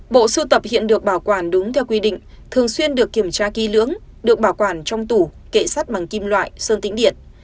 bộ sưu tập hiện được bảo quản đúng theo quy định thường xuyên được kiểm tra ký lưỡng được bảo quản trong tủ kệ sắt bằng kim loại sơn tĩnh điện